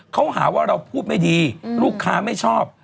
เขาหาว่าเราพูดไม่ดีลูกค้าไม่ชอบ